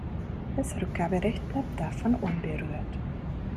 Das Rückgaberecht bleibt davon unberührt.